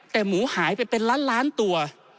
แต่หมูหายไปเป็นล้านล้านตัว